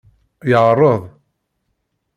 Yeɛreḍ.